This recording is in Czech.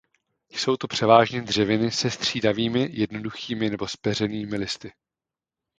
Jsou to převážně dřeviny se střídavými jednoduchými nebo zpeřenými listy.